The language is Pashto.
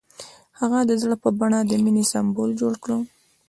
هغه د زړه په بڼه د مینې سمبول جوړ کړ.